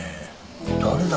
誰だ？